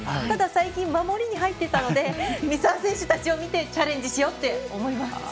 ただ最近、守りに入っていたので三澤選手たちを見てチャレンジしようって思います。